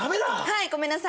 はいごめんなさい。